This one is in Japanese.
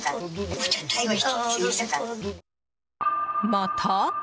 また？